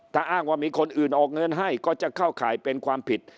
ถ้าอ้างว่ามีคนอื่นออกเงินให้ก็จะเข้าข่ายเป็นความผิด